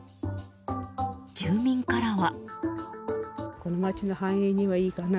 住民からは。